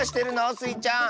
スイちゃん。